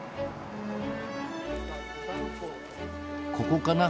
ここかな？